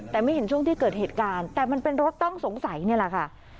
แต่ไม่เห็นช่วงที่เกิดเหตุการณ์แต่มันเป็นรถต้องสงสัยนี่แหละค่ะ